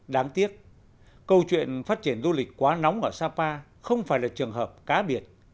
đáng tiếc câu chuyện phát triển du lịch quá nóng ở sapa không phải là trường hợp cá biệt